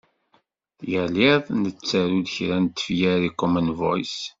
Yal iḍ nettaru-d kra n tefyar i Common Voice.